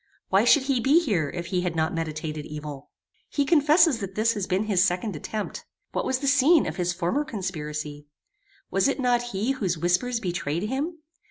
Why should he be here if he had not meditated evil? He confesses that this has been his second attempt. What was the scene of his former conspiracy? Was it not he whose whispers betrayed him?